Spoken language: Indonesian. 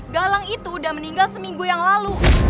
galang itu udah meninggal seminggu yang lalu